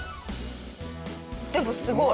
でもすごい。